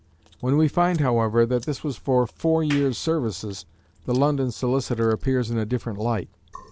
When we find however, that this was for four years' services, the London solicitor appears in a different light.